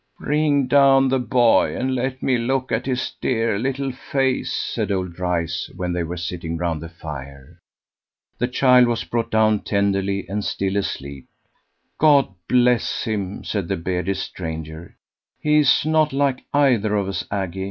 "Bring down the boy, and let me look at his dear little face," said old Dryce, when they were sitting round the fire. The child was brought down tenderly, and still asleep. "God bless him!" said the bearded stranger. "He's not like either of us, Aggy."